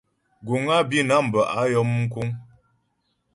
Guŋ á Bǐnam bə́ á yɔm mkúŋ.